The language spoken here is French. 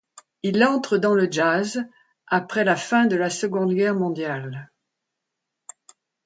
Il entre dans le jazz après la fin de la Seconde Guerre mondiale.